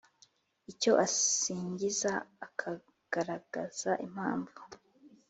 icyo asingiza, akagaragaza impamvu